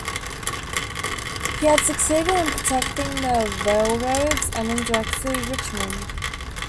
He had succeeded in protecting the railroads and, indirectly, Richmond.